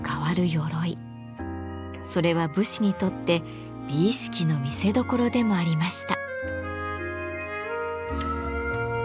それは武士にとって美意識の見せどころでもありました。